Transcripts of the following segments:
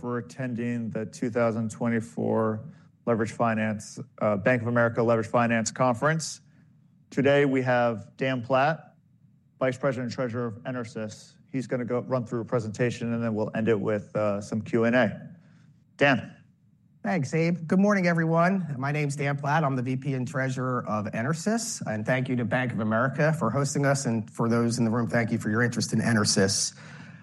For attending the 2024 Bank of America Leveraged Finance Conference. Today we have Dan Platt, Vice President and Treasurer of EnerSys. He's going to run through a presentation, and then we'll end it with some Q&A. Dan. Thanks, Abe. Good morning, everyone. My name is Dan Platt. I'm the VP and Treasurer of EnerSys, and thank you to Bank of America for hosting us. For those in the room, thank you for your interest in EnerSys.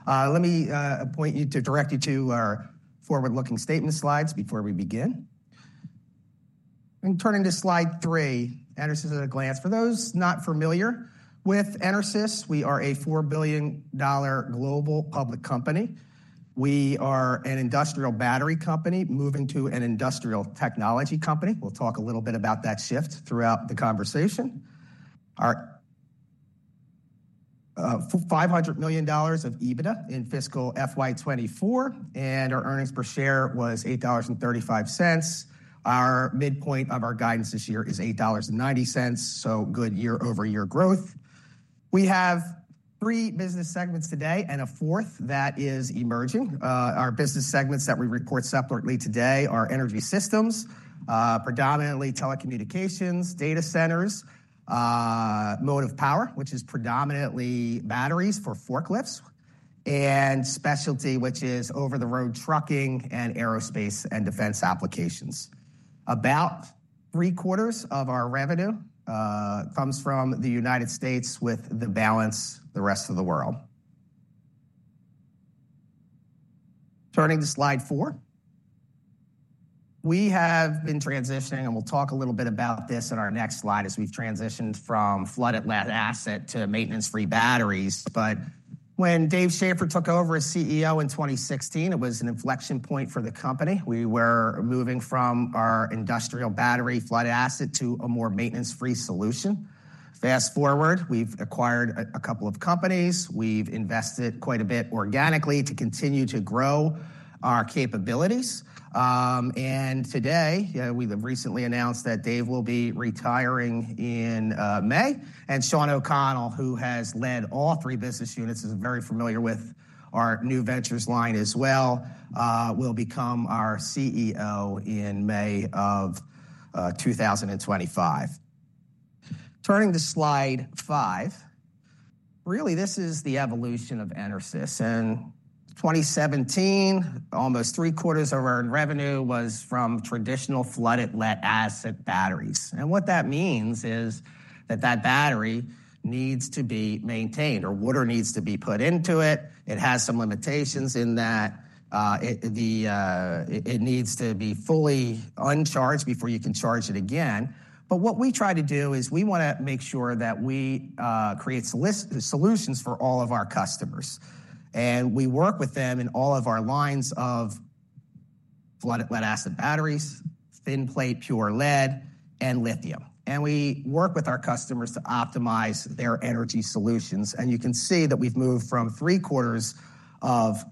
Let me point you to, direct you to, our forward-looking statement slides before we begin. Turning to slide three, EnerSys at a glance. For those not familiar with EnerSys, we are a $4 billion global public company. We are an industrial battery company moving to an industrial technology company. We'll talk a little bit about that shift throughout the conversation. Our $500 million of EBITDA in fiscal FY24, and our earnings per share was $8.35. Our midpoint of our guidance this year is $8.90, so good year-over-year growth. We have three business segments today and a fourth that is emerging. Our business segments that we report separately today are Energy Systems, predominantly telecommunications, data centers, Motive Power, which is predominantly batteries for forklifts, and Specialty, which is over-the-road trucking and aerospace and defense applications. About three quarters of our revenue comes from the United States with the balance the rest of the world. Turning to slide four, we have been transitioning, and we'll talk a little bit about this in our next slide as we've transitioned from flooded lead-acid to maintenance-free batteries. But when Dave Shaffer took over as CEO in 2016, it was an inflection point for the company. We were moving from our industrial battery flooded lead-acid to a more maintenance-free solution. Fast forward, we've acquired a couple of companies. We've invested quite a bit organically to continue to grow our capabilities. Today, we have recently announced that Dave will be retiring in May, and Shawn O'Connell, who has led all three business units, is very familiar with our new ventures line as well, will become our CEO in May of 2025. Turning to slide five, really, this is the evolution of EnerSys. In 2017, almost three quarters of our revenue was from traditional flooded lead-acid batteries. And what that means is that that battery needs to be maintained, or water needs to be put into it. It has some limitations in that it needs to be fully discharged before you can charge it again. But what we try to do is we want to make sure that we create solutions for all of our customers. We work with them in all of our lines of flooded lead-acid batteries, thin plate pure lead, and lithium. We work with our customers to optimize their energy solutions. You can see that we've moved from three quarters of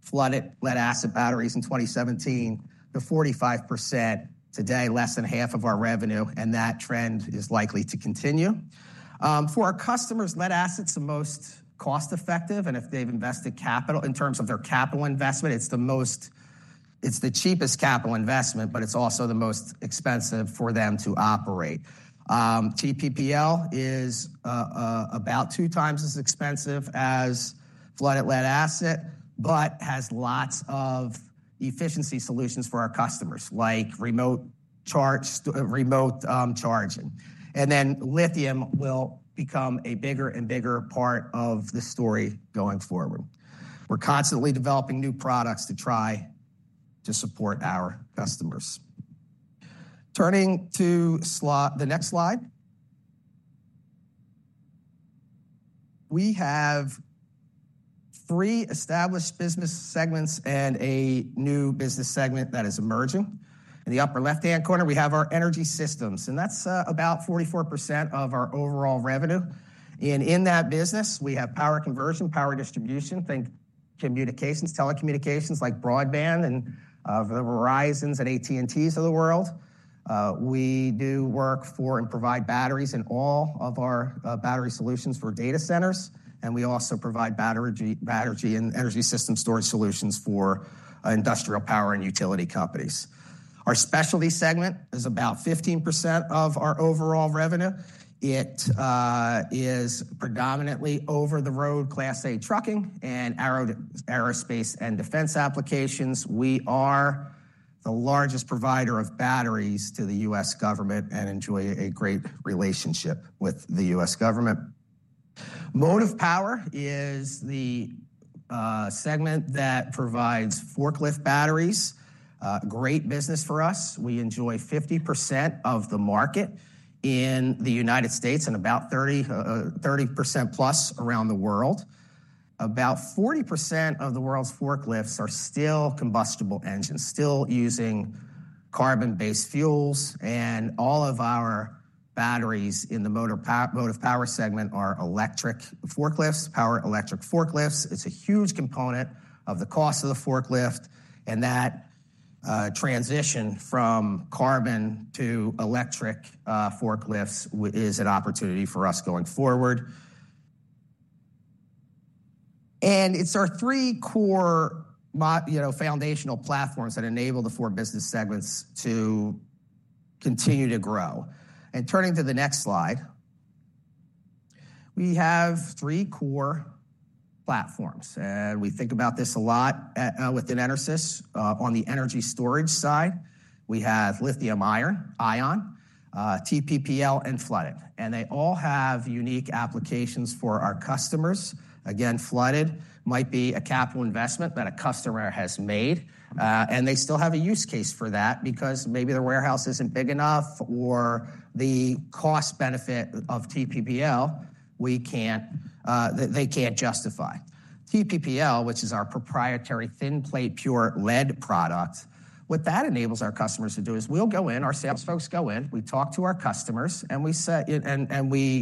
flooded lead-acid batteries in 2017 to 45% today, less than half of our revenue, and that trend is likely to continue. For our customers, lead-acid assets are most cost-effective, and if they've invested capital in terms of their capital investment, it's the most expensive for them to operate. TPPL is about two times as expensive as flooded lead-acid, but has lots of efficiency solutions for our customers, like fast charging. Lithium will become a bigger and bigger part of the story going forward. We're constantly developing new products to try to support our customers. Turning to the next slide, we have three established business segments and a new business segment that is emerging. In the upper left-hand corner, we have our Energy Systems, and that's about 44% of our overall revenue, and in that business, we have power conversion, power distribution, communications, telecommunications like broadband, and the Verizons and AT&Ts of the world. We do work for and provide batteries in all of our battery solutions for data centers, and we also provide battery and energy system storage solutions for industrial power and utility companies. Our Specialty segment is about 15% of our overall revenue. It is predominantly over-the-road class 8 trucking and aerospace and defense applications. We are the largest provider of batteries to the U.S. government and enjoy a great relationship with the U.S. government. Motive Power is the segment that provides forklift batteries, great business for us. We enjoy 50% of the market in the United States and about 30% plus around the world. About 40% of the world's forklifts are still combustible engines, still using carbon-based fuels, and all of our batteries in the Motive Power segment are electric forklifts, power electric forklifts. It's a huge component of the cost of the forklift, and that transition from carbon to electric forklifts is an opportunity for us going forward. It's our three core foundational platforms that enable the four business segments to continue to grow. Turning to the next slide, we have three core platforms, and we think about this a lot within EnerSys. On the energy storage side, we have lithium-ion, TPPL, and flooded. They all have unique applications for our customers. Again, flooded might be a capital investment that a customer has made, and they still have a use case for that because maybe the warehouse isn't big enough or the cost-benefit of TPPL they can't justify. TPPL, which is our proprietary thin plate pure lead product, what that enables our customers to do is we'll go in, our sales folks go in, we talk to our customers, and we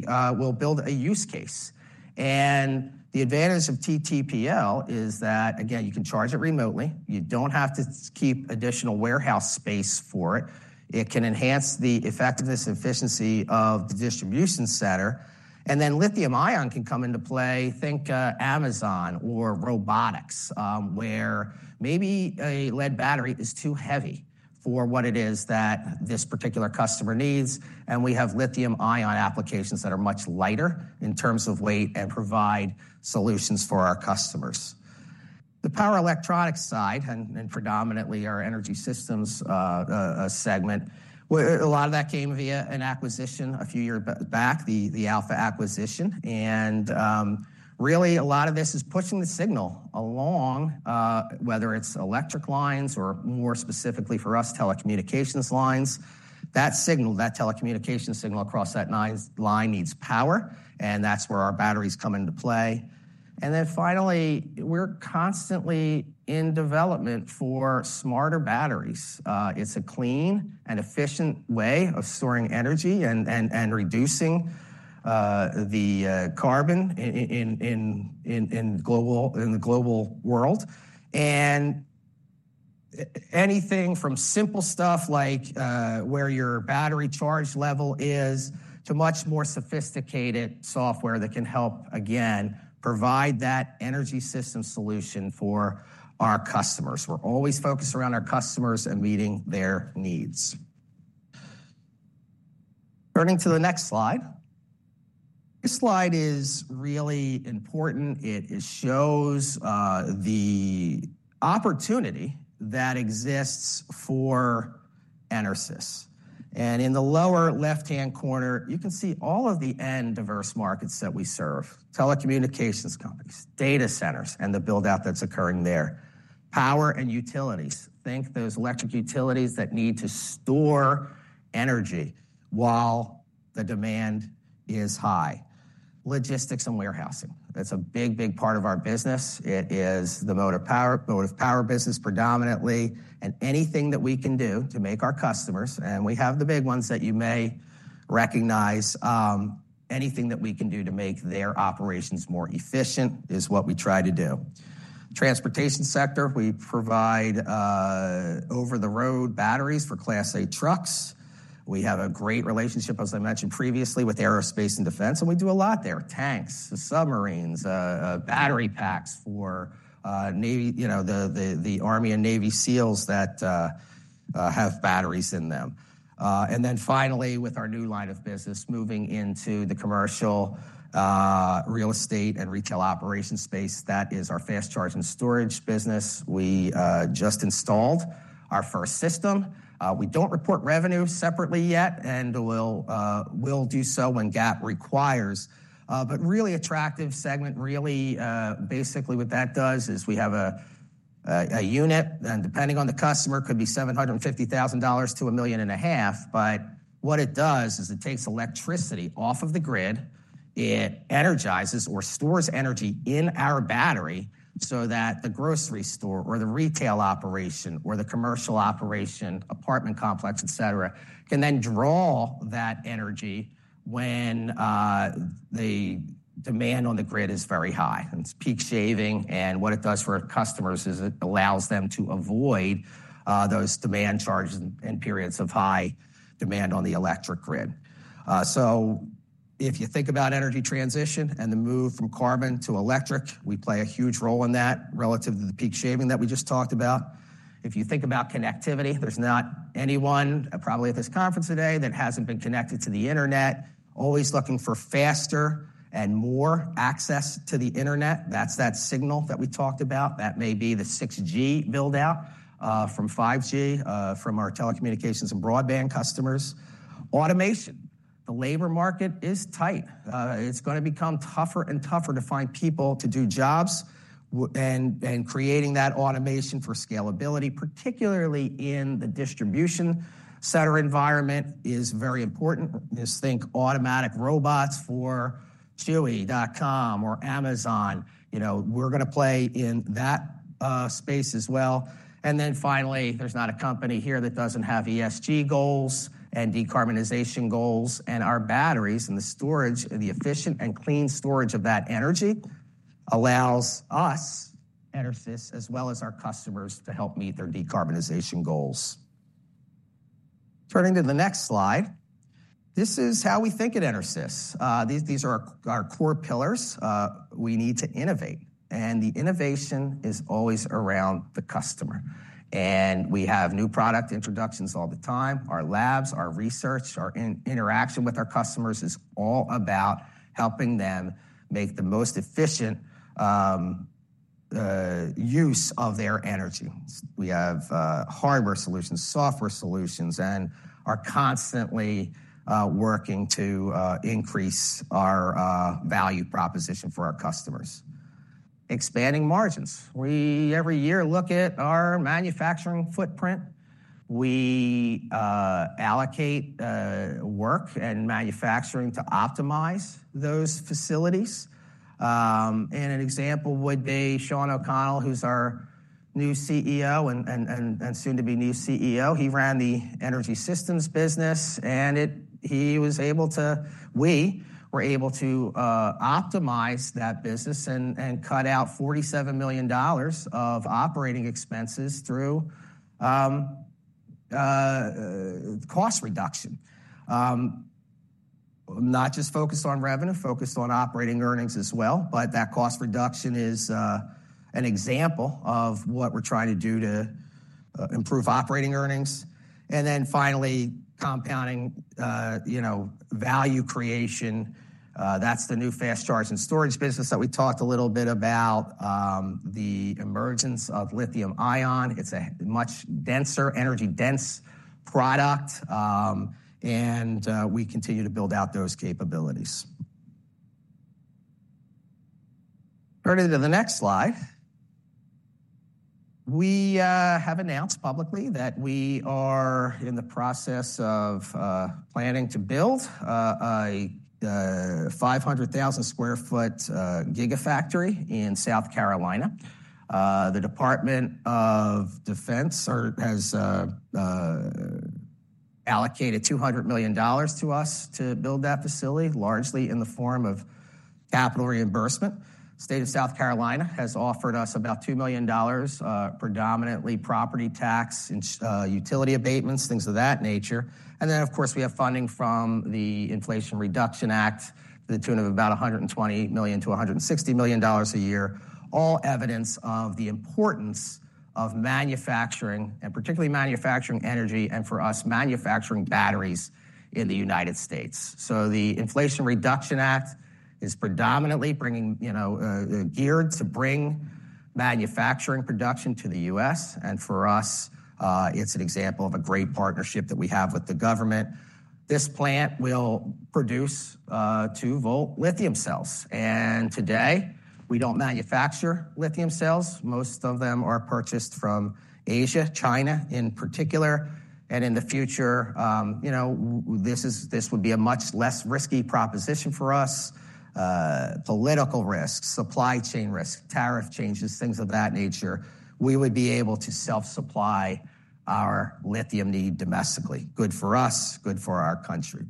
will build a use case. And the advantage of TPPL is that, again, you can charge it remotely. You don't have to keep additional warehouse space for it. It can enhance the effectiveness and efficiency of the distribution center. And then lithium ion can come into play. Think Amazon or robotics, where maybe a lead battery is too heavy for what it is that this particular customer needs. And we have lithium-ion applications that are much lighter in terms of weight and provide solutions for our customers. The power electronics side, and predominantly our Energy Systems segment, a lot of that came via an acquisition a few years back, the Alpha acquisition. And really, a lot of this is pushing the signal along, whether it's electric lines or more specifically for us, telecommunications lines. That signal, that telecommunication signal across that line needs power, and that's where our batteries come into play. And then finally, we're constantly in development for smarter batteries. It's a clean and efficient way of storing energy and reducing the carbon in the global world. And anything from simple stuff like where your battery charge level is to much more sophisticated software that can help, again, provide that energy system solution for our customers. We're always focused around our customers and meeting their needs. Turning to the next slide, this slide is really important. It shows the opportunity that exists for EnerSys. And in the lower left-hand corner, you can see all of the in diverse markets that we serve: telecommunications companies, data centers, and the buildout that's occurring there. Power and utilities, think those electric utilities that need to store energy while the demand is high. Logistics and warehousing, that's a big, big part of our business. It is the Motive Power business predominantly, and anything that we can do to make our customers, and we have the big ones that you may recognize, anything that we can do to make their operations more efficient is what we try to do. Transportation sector, we provide over-the-road batteries for Class 8 trucks. We have a great relationship, as I mentioned previously, with aerospace and defense, and we do a lot there: tanks, submarines, battery packs for the Army and Navy SEALs that have batteries in them. And then finally, with our new line of business moving into the commercial real estate and retail operations space, that is our fast charging storage business. We just installed our first system. We don't report revenue separately yet, and we'll do so when GAAP requires. But really attractive segment, really, basically what that does is we have a unit, and depending on the customer, could be $750,000-$1.5 million. But what it does is it takes electricity off of the grid. It energizes or stores energy in our battery so that the grocery store or the retail operation or the commercial operation, apartment complex, etc., can then draw that energy when the demand on the grid is very high. And it's peak shaving, and what it does for customers is it allows them to avoid those demand charges and periods of high demand on the electric grid. So if you think about energy transition and the move from carbon to electric, we play a huge role in that relative to the peak shaving that we just talked about. If you think about connectivity, there's not anyone probably at this conference today that hasn't been connected to the internet, always looking for faster and more access to the internet. That's that signal that we talked about. That may be the 6G buildout from 5G from our telecommunications and broadband customers. Automation, the labor market is tight. It's going to become tougher and tougher to find people to do jobs, and creating that automation for scalability, particularly in the distribution center environment, is very important. Just think automatic robots for Chewy.com or Amazon. We're going to play in that space as well, and then finally, there's not a company here that doesn't have ESG goals and decarbonization goals, and our batteries and the storage, the efficient and clean storage of that energy allows us, EnerSys, as well as our customers to help meet their decarbonization goals. Turning to the next slide, this is how we think at EnerSys. These are our core pillars. We need to innovate, and the innovation is always around the customer, and we have new product introductions all the time. Our labs, our research, our interaction with our customers is all about helping them make the most efficient use of their energy. We have hardware solutions, software solutions, and are constantly working to increase our value proposition for our customers. Expanding margins. We every year look at our manufacturing footprint. We allocate work and manufacturing to optimize those facilities. And an example would be Shawn O'Connell, who's our new CEO and soon to be new CEO. He ran the energy systems business, and he was able to, we were able to optimize that business and cut out $47 million of operating expenses through cost reduction. Not just focused on revenue, focused on operating earnings as well, but that cost reduction is an example of what we're trying to do to improve operating earnings. And then finally, compounding value creation. That's the new fast charging storage business that we talked a little bit about, the emergence of lithium ion. It's a much denser, energy-dense product, and we continue to build out those capabilities. Turning to the next slide, we have announced publicly that we are in the process of planning to build a 500,000 sq ft gigafactory in South Carolina. The U.S. Department of Defense has allocated $200 million to us to build that facility, largely in the form of capital reimbursement. The state of South Carolina has offered us about $2 million, predominantly property tax, utility abatements, things of that nature. And then, of course, we have funding from the Inflation Reduction Act to the tune of about $120 million-$160 million a year, all evidence of the importance of manufacturing, and particularly manufacturing energy, and for us, manufacturing batteries in the United States. The Inflation Reduction Act is predominantly geared to bring manufacturing production to the U.S. For us, it's an example of a great partnership that we have with the government. This plant will produce two-volt lithium cells. Today, we don't manufacture lithium cells. Most of them are purchased from Asia, China in particular. In the future, this would be a much less risky proposition for us. Political risks, supply chain risks, tariff changes, things of that nature. We would be able to self-supply our lithium need domestically. Good for us, good for our country.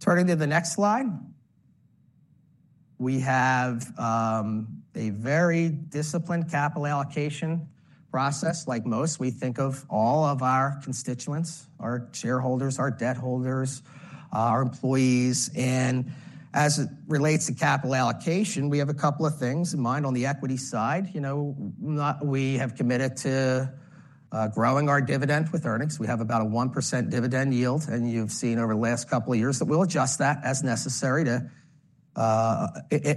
Turning to the next slide, we have a very disciplined capital allocation process. Like most, we think of all of our constituents, our shareholders, our debt holders, our employees. As it relates to capital allocation, we have a couple of things in mind. On the equity side, we have committed to growing our dividend with earnings. We have about a 1% dividend yield. And you've seen over the last couple of years that we'll adjust that as necessary to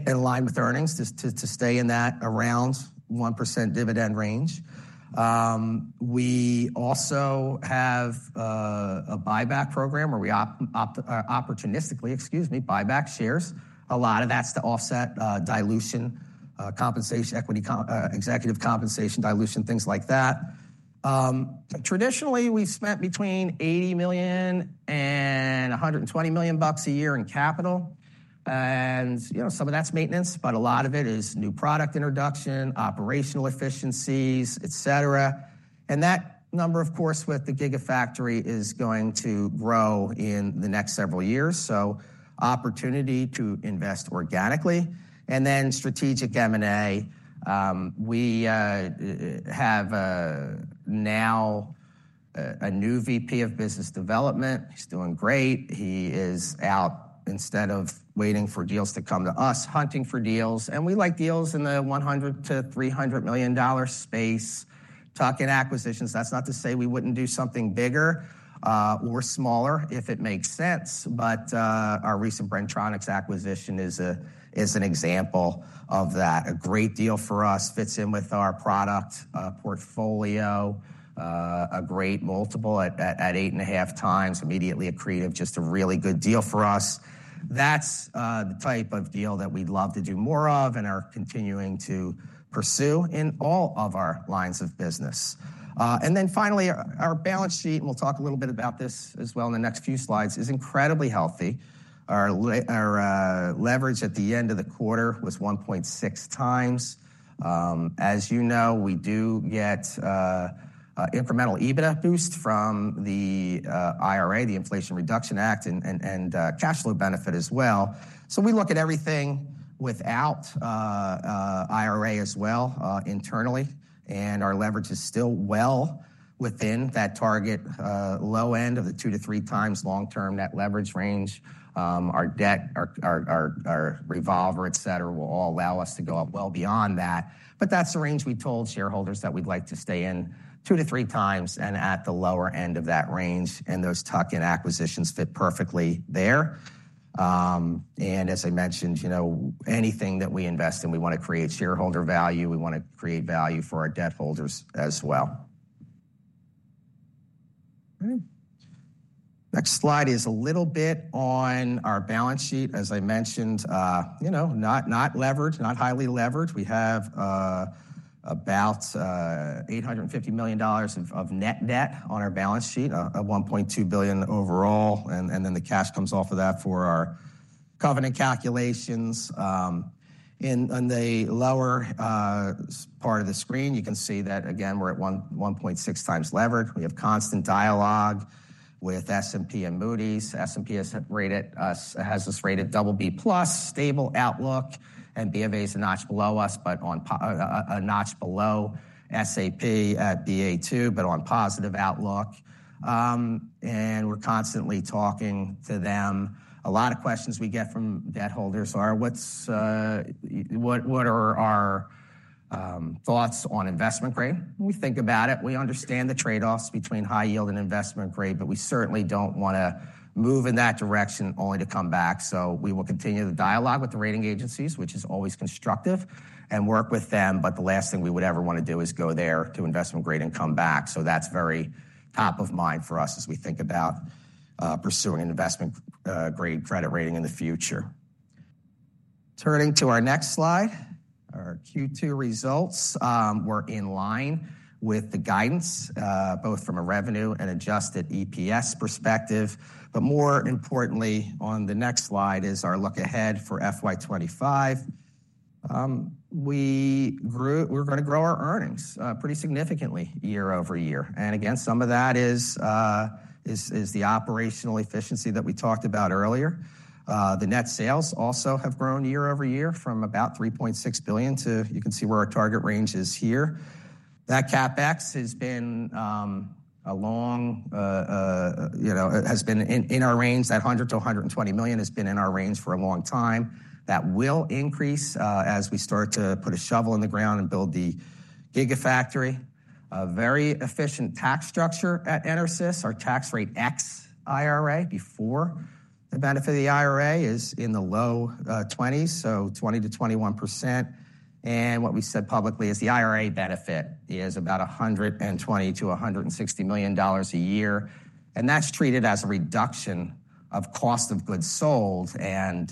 align with earnings to stay in that around 1% dividend range. We also have a buyback program where we opportunistically, excuse me, buyback shares. A lot of that's to offset dilution, equity executive compensation dilution, things like that. Traditionally, we spent between $80 million and $120 million a year in capital. And some of that's maintenance, but a lot of it is new product introduction, operational efficiencies, etc. And that number, of course, with the gigafactory is going to grow in the next several years. So opportunity to invest organically. And then strategic M&A. We have now a new VP of business development. He's doing great. He is out instead of waiting for deals to come to us, hunting for deals, and we like deals in the $100-$300 million space. Talking acquisitions, that's not to say we wouldn't do something bigger or smaller if it makes sense. But our recent Bren-Tronics acquisition is an example of that. A great deal for us fits in with our product portfolio, a great multiple at eight and a half times, immediately accretive, just a really good deal for us. That's the type of deal that we'd love to do more of and are continuing to pursue in all of our lines of business, and then finally, our balance sheet, and we'll talk a little bit about this as well in the next few slides, is incredibly healthy. Our leverage at the end of the quarter was 1.6 times. As you know, we do get incremental EBITDA boost from the IRA, the Inflation Reduction Act, and cash flow benefit as well. So we look at everything without IRA as well internally. And our leverage is still well within that target low end of the 2-3 times long-term net leverage range. Our debt, our revolver, etc., will all allow us to go up well beyond that. But that's the range we told shareholders that we'd like to stay in 2-3 times and at the lower end of that range. And those tuck-in acquisitions fit perfectly there. And as I mentioned, anything that we invest in, we want to create shareholder value. We want to create value for our debt holders as well. Next slide is a little bit on our balance sheet. As I mentioned, not leveraged, not highly leveraged. We have about $850 million of net debt on our balance sheet, a $1.2 billion overall, and then the cash comes off of that for our covenant calculations. In the lower part of the screen, you can see that, again, we're at 1.6 times leverage. We have constant dialogue with S&P and Moody's. S&P has this rated BB+, stable outlook, and Moody's is a notch below us, but a notch below S&P at Ba2, but on positive outlook, and we're constantly talking to them. A lot of questions we get from debt holders are, what are our thoughts on investment grade? We think about it. We understand the trade-offs between high yield and investment grade, but we certainly don't want to move in that direction only to come back, so we will continue the dialogue with the rating agencies, which is always constructive, and work with them. But the last thing we would ever want to do is go there to investment grade and come back. So that's very top of mind for us as we think about pursuing an investment grade credit rating in the future. Turning to our next slide, our Q2 results. We're in line with the guidance, both from a revenue and adjusted EPS perspective. But more importantly, on the next slide is our look ahead for FY25. We're going to grow our earnings pretty significantly year over year. And again, some of that is the operational efficiency that we talked about earlier. The net sales also have grown year over year from about $3.6 billion to, you can see where our target range is here. That CapEx has been in our range. That $100-$120 million has been in our range for a long time. That will increase as we start to put a shovel in the ground and build the Gigafactory. Very efficient tax structure at EnerSys. Our tax rate ex IRA before the benefit of the IRA is in the low 20s, so 20%-21%. And what we said publicly is the IRA benefit is about $120-$160 million a year. And that's treated as a reduction of cost of goods sold and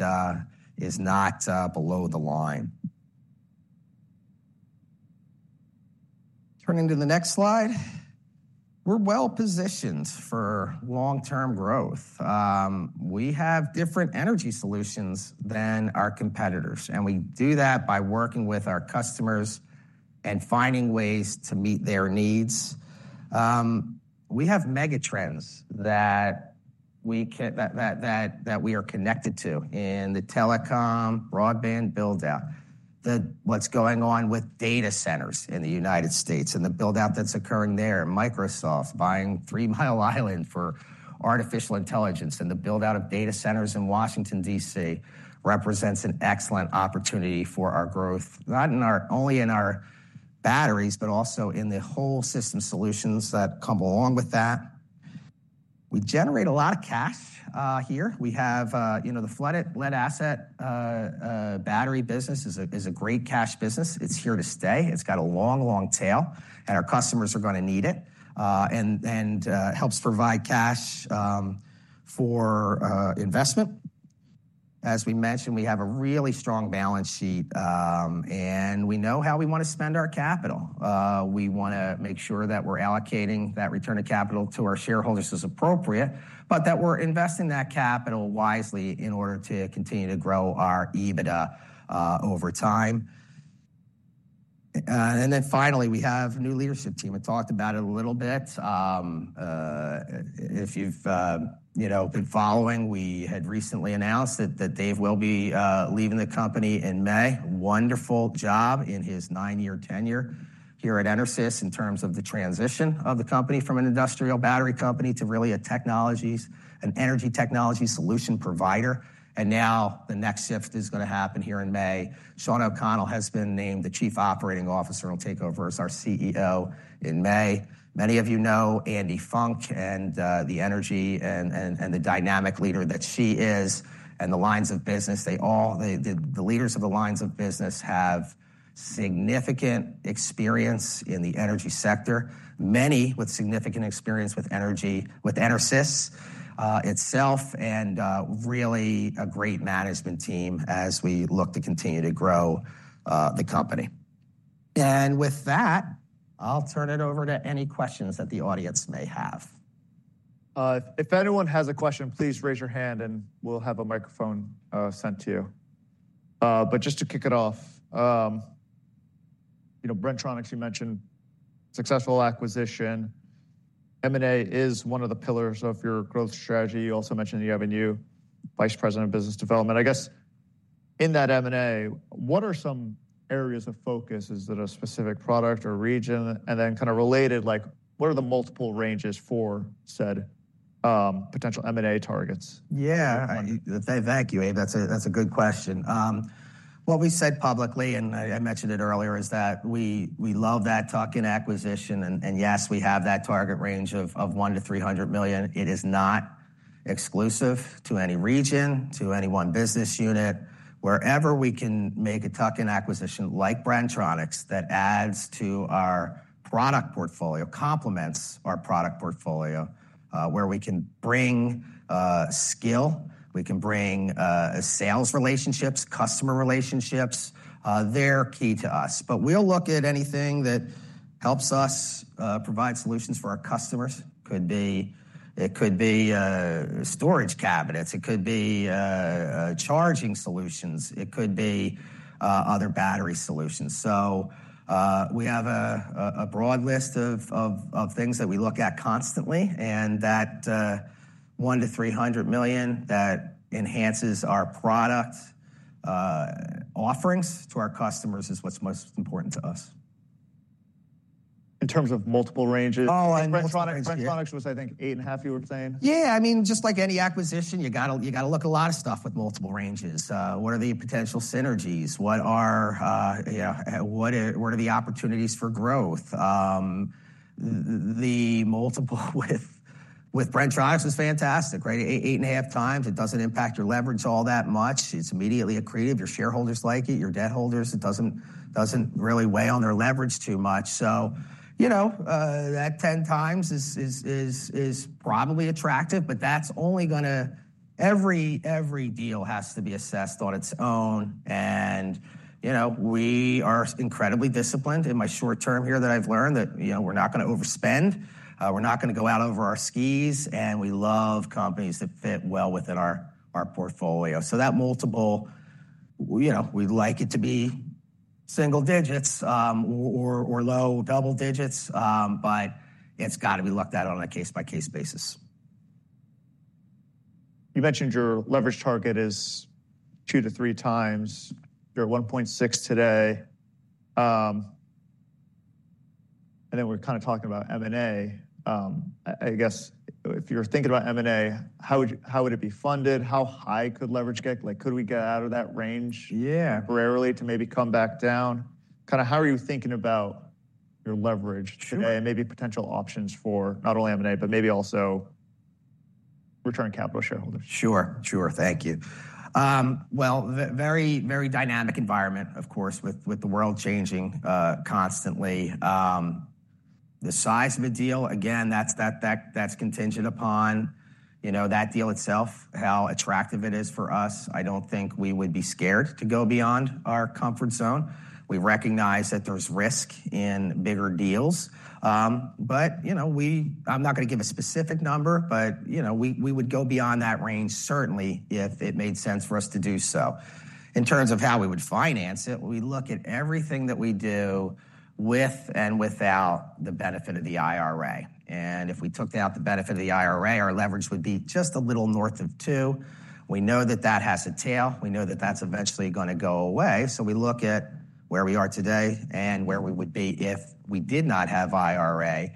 is not below the line. Turning to the next slide, we're well positioned for long-term growth. We have different energy solutions than our competitors. And we do that by working with our customers and finding ways to meet their needs. We have megatrends that we are connected to in the telecom, broadband buildout, what's going on with data centers in the United States and the buildout that's occurring there, Microsoft buying Three Mile Island for artificial intelligence, and the buildout of data centers in Washington, D.C. represents an excellent opportunity for our growth, not only in our batteries, but also in the whole system solutions that come along with that. We generate a lot of cash here. We have the flooded lead-acid battery business is a great cash business. It's here to stay. It's got a long, long tail, and our customers are going to need it and it helps provide cash for investment. As we mentioned, we have a really strong balance sheet, and we know how we want to spend our capital. We want to make sure that we're allocating that return to capital to our shareholders as appropriate, but that we're investing that capital wisely in order to continue to grow our EBITDA over time. And then finally, we have a new leadership team. I talked about it a little bit. If you've been following, we had recently announced that Dave will be leaving the company in May. Wonderful job in his nine-year tenure here at EnerSys in terms of the transition of the company from an industrial battery company to really an energy technology solution provider. And now the next shift is going to happen here in May. Shawn O'Connell has been named the Chief Operating Officer and will take over as our CEO in May. Many of you know Andi Funk and the energy and the dynamic leader that she is and the lines of business. The leaders of the lines of business have significant experience in the energy sector, many with significant experience with EnerSys itself, and really a great management team as we look to continue to grow the company. With that, I'll turn it over to any questions that the audience may have. If anyone has a question, please raise your hand, and we'll have a microphone sent to you. But just to kick it off, Bren-Tronics, you mentioned successful acquisition. M&A is one of the pillars of your growth strategy. You also mentioned you have a new vice president of business development. I guess in that M&A, what are some areas of focus? Is it a specific product or region? And then kind of related, what are the multiple ranges for said potential M&A targets? Yeah, that's a good question. What we said publicly, and I mentioned it earlier, is that we love that tuck-in acquisition. Yes, we have that target range of $100-$300 million. It is not exclusive to any region, to any one business unit. Wherever we can make a tuck-in acquisition like Bren-Tronics that adds to our product portfolio, complements our product portfolio, where we can bring skill, we can bring sales relationships, customer relationships, they're key to us. But we'll look at anything that helps us provide solutions for our customers. It could be storage cabinets. It could be charging solutions. It could be other battery solutions. So we have a broad list of things that we look at constantly. And that $100-$300 million that enhances our product offerings to our customers is what's most important to us. In terms of multiple ranges, Bren-Tronics was, I think, $8.5, you were saying? Yeah, I mean, just like any acquisition, you got to look at a lot of stuff with multiple ranges. What are the potential synergies? What are the opportunities for growth? The multiple with Bren-Tronics is fantastic. $8.5 times, it doesn't impact your leverage all that much. It's immediately accretive. Your shareholders like it. Your debt holders, it doesn't really weigh on their leverage too much. So that $10 times is probably attractive, but that's only going to every deal has to be assessed on its own. And we are incredibly disciplined in my short term here that I've learned that we're not going to overspend. We're not going to go out over our skis. And we love companies that fit well within our portfolio. So that multiple, we'd like it to be single digits or low double digits, but it's got to be looked at on a case-by-case basis. You mentioned your leverage target is $2.0-$3.00. You're at $1.6 today. And then we're kind of talking about M&A. I guess if you're thinking about M&A, how would it be funded? How high could leverage get? Could we get out of that range temporarily to maybe come back down? Kind of how are you thinking about your leverage today and maybe potential options for not only M&A, but maybe also return capital shareholders? Sure, sure. Thank you. Well, very dynamic environment, of course, with the world changing constantly. The size of a deal, again, that's contingent upon that deal itself, how attractive it is for us. I don't think we would be scared to go beyond our comfort zone. We recognize that there's risk in bigger deals. But I'm not going to give a specific number, but we would go beyond that range, certainly, if it made sense for us to do so. In terms of how we would finance it, we look at everything that we do with and without the benefit of the IRA. And if we took out the benefit of the IRA, our leverage would be just a little north of 2. We know that that has a tail. We know that that's eventually going to go away. So we look at where we are today and where we would be if we did not have IRA.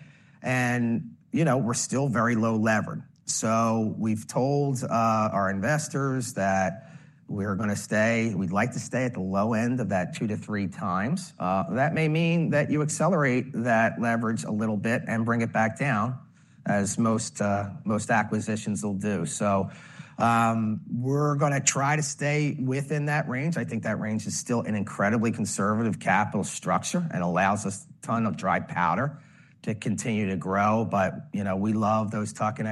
And we're still very low levered. So we've told our investors that we're going to stay, we'd like to stay at the low end of that 2.0 to 3.00 times. That may mean that you accelerate that leverage a little bit and bring it back down, as most acquisitions will do. So we're going to try to stay within that range. I think that range is still an incredibly conservative capital structure and allows us a ton of dry powder to continue to grow. But we love those tuck-in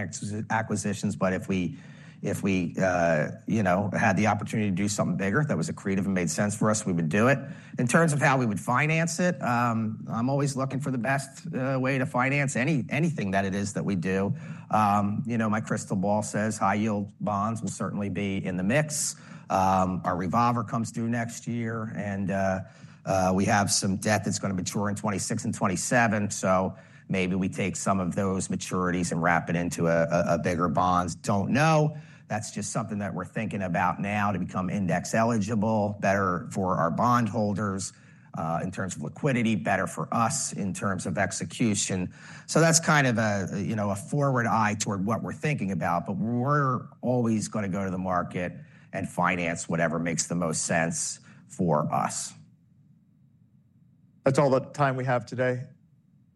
acquisitions. But if we had the opportunity to do something bigger that was accretive and made sense for us, we would do it. In terms of how we would finance it, I'm always looking for the best way to finance anything that it is that we do. My crystal ball says high-yield bonds will certainly be in the mix. Our revolver comes due next year, and we have some debt that's going to mature in 2026 and 2027. So maybe we take some of those maturities and wrap it into a bigger bond. Don't know. That's just something that we're thinking about now to become index eligible, better for our bondholders in terms of liquidity, better for us in terms of execution. So that's kind of a forward eye toward what we're thinking about. But we're always going to go to the market and finance whatever makes the most sense for us. That's all the time we have today.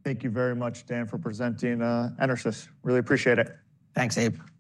Thank you very much, Dan, for presenting EnerSys. Really appreciate it. Thanks, Abe.